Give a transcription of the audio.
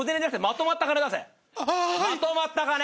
まとまった金！